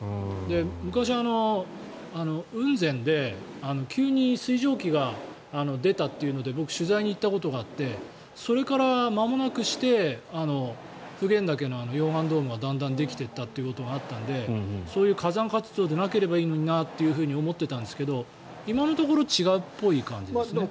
昔、雲仙で急に水蒸気が出たというので僕取材に行ったことがあってそれからまもなくして普賢岳の溶岩ドームがだんだんできていったということがあったのでそういう火山活動でなければいいのになと思っていたんですけど今のところ違うっぽい感じですね。